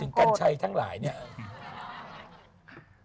หมายถึงกัญชัยทั้งหลายเนี่ย